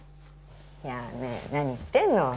やあね何言ってんの